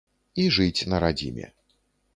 І жыць на радзіме.